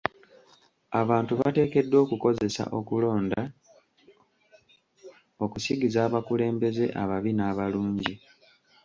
Abantu bateekeddwa okukozesa okulonda okusigiza abakulembeze ababi n'abalungi.